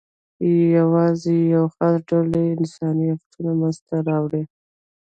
یواځې یو خاص ډول یې انساني آفتونه منځ ته راوړي.